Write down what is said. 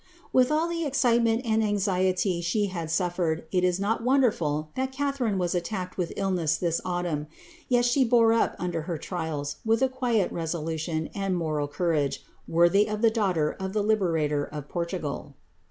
With all the excitement and anxiety she had suffered, it is not won derful that Catharine was attacked with illness this autumn ; yet she lK>re up under her trials, with a quiet resolution and moral courage ^worthy of the daughter of the liberator of Portugal.